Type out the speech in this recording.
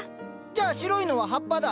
じゃあ白いのは葉っぱだ。